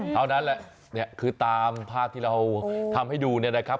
เท่านั้นแหละเนี่ยคือตามภาพที่เราทำให้ดูเนี่ยนะครับ